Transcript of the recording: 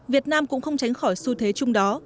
việt nam cũng không tránh khỏi xu thế chung đó